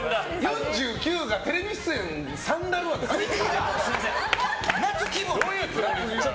４９がテレビ出演サンダルはダメでしょ。